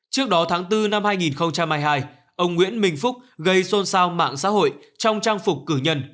trước đó tháng bốn năm hai nghìn hai mươi hai ông nguyễn minh phúc gây xôn xao mạng xã hội trong trang phục cử nhân